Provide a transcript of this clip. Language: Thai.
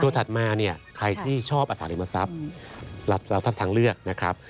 ตัวถัดมาเนี่ยใครที่ชอบอสาริมทรัพย์เราทั้งเลือกนะครับ